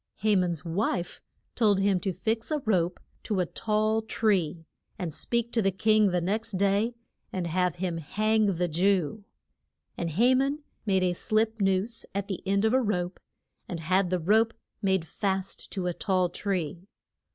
Ha man's wife told him to fix a rope to a tall tree, and speak to the king the next day and have him hang the Jew. And Ha man made a slip noose at the end of a rope, and had the rope made fast to a tall tree.